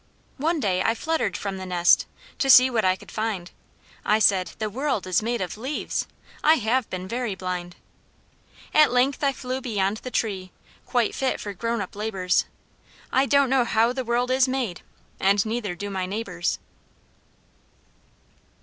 One day I fluttered from the nest To see what I could find. I said, "The world is made of leaves; I have been very blind." At length I flew beyond the tree, Quite fit for grown up labours. I don't know how the world is made, And neither do my neighbours!